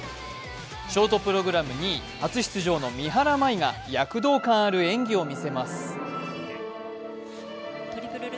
ショートプログラム２位、初出場の三原舞依が躍動感ある演技をみせます。